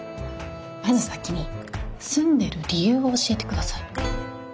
まず先に住んでる理由を教えてください。